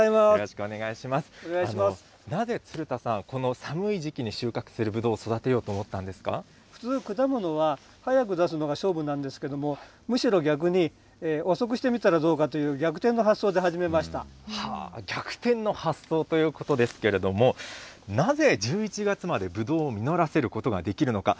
なぜ鶴田さんは、この寒い時期に収穫するぶどうを育てようと普通、果物は早く出すのが勝負になんですけれども、むしろ逆に、遅くしてみたらどうかというはぁ、逆転の発想ということですけれども、なぜ、１１月までぶどうを実らせることができるのか。